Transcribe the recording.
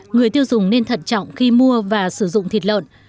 người tiêu dùng nên thận trọng khi mua và sử dụng thịt lợn